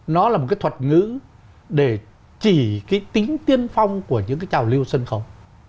nó là một cái thuật ngữ để chỉ cái tính tiên phong của những cái trào lưu sân khấu